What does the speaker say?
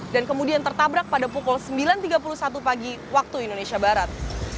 dan kemudian tertabrak pada pukul sembilan tiga puluh satu pagi waktu indonesia barat